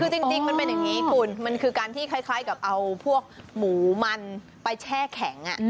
คือจริงมันเป็นอย่างนี้คุณมันคือการที่คล้ายกับเอาพวกหมูมันไปแช่แข็ง